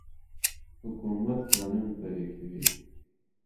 حکومت قانون پلی کوي.